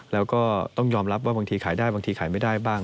แล้วก็ต้องยอมรับว่าบางทีขายได้บางทีขายไม่ได้บ้าง